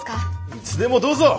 いつでもどうぞ！